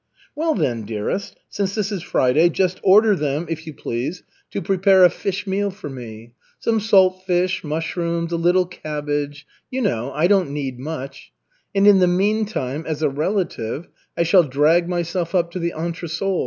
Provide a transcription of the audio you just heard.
"Well, then, dearest, since this is Friday, just order them, if you please, to prepare a fish meal for me. Some salt fish, mushrooms, a little cabbage you know, I don't need much. And in the meantime, as a relative, I shall drag myself up to the entresol.